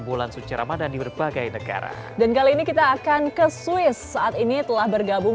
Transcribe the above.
bulan suci ramadhan di berbagai negara dan kali ini kita akan ke swiss saat ini telah bergabung